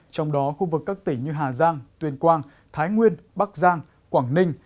trong đó khu vực các tỉnh như hà giang tuyên quang thái nguyên bắc giang quảng ninh